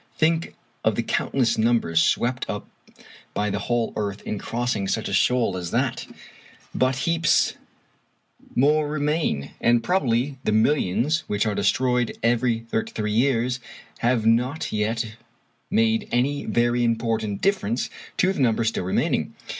Think of the countless numbers swept up by the whole earth in crossing such a shoal as that! But heaps more remain, and probably the millions which are destroyed every thirty three years have not yet made any very important difference to the numbers still remaining.